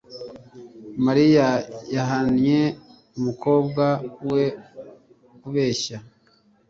Mariya yahannye umukobwa we kubeshya